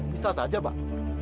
bisa saja pak